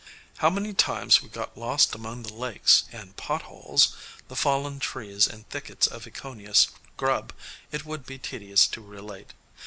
"] How many times we got lost among the lakes and "pot holes," the fallen trees and thickets of Ekoniah Scrub, it would be tedious to relate.